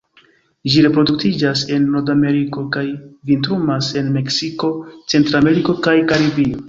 Ĝi reproduktiĝas en Nordameriko kaj vintrumas en Meksiko, Centrameriko kaj Karibio.